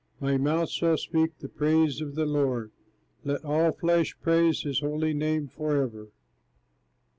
My mouth shall speak the praise of the Lord. Let all flesh praise his holy name forever.